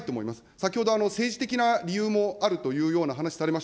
先ほど、政治的な理由もあるというふうな話もされました。